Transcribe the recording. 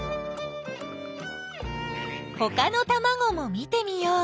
ほかのたまごも見てみよう！